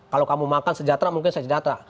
kalau kamu makan sejahtera mungkin saya sejahtera